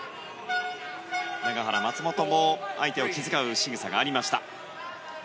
永原、松本も相手を気遣う姿がありました。